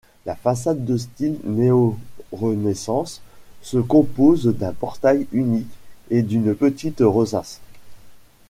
La façade de style néorenaissance se compose d'un portail unique et d'une petite rosace.